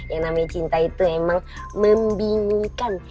yang namanya cinta itu memang membingungkan